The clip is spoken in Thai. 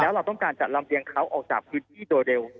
แล้วเราต้องการจะลำเรียงเขาออกจากพื้นที่โดยเร็ว